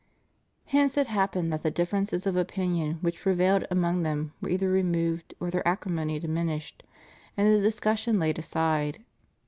Hence it happened that the differences of opinion which prevailed among them were either removed or their acrimony diminished and the discussion laid aside.